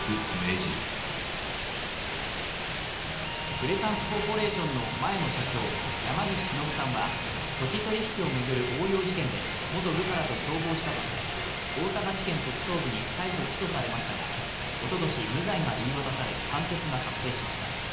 プレサンスコーポレーションの前の社長、山岸忍さんは土地取り引きを巡る横領事件で元部下らと共謀したとして大阪地検特捜部に逮捕・起訴されましたがおととし、無罪が言い渡され、判決が確定しました。